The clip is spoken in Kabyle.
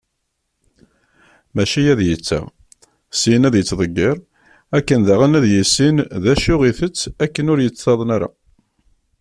Mačči ad d-yettaɣ, syin ad yettḍeggir, akken daɣen ad yissin d acu i itett akken ur yettaḍen ara.